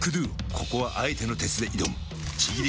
ここはあえての鉄で挑むちぎり